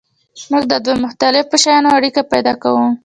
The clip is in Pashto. موږ د دوو مختلفو شیانو اړیکه پیدا کوو.